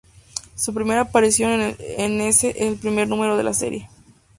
Su primera aparición es en el primer número de la serie.